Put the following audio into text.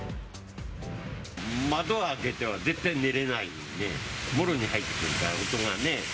窓は開けては絶対寝れないんで、もろに入ってくるから、音がね。